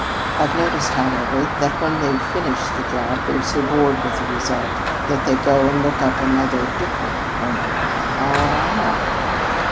I've noticed, however, that when they've finished the job, they're so bored with the result that they go and look up another 'different' woman. Oh, I know!"